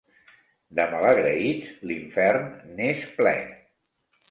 De malagraïts, l'infern n'és ple.